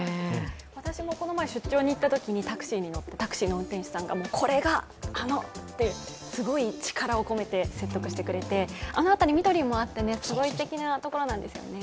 私もこの前、出張に行ったときに乗ったタクシーの運転手さんが「これが、あの」って、すごい力を込めて説得をしてくれてあの辺り、緑もあっていいところなんですよね。